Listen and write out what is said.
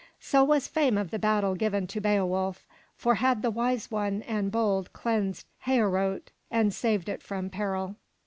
So was fame of the battle given to Beowulf. So had the wise one and bold cleansed Heorot and saved it from peril.